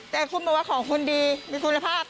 แต่คุณบอกว่าของคุณดีมีคุณภาพ